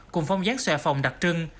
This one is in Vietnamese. cùng phong gián xòe phòng đặc trưng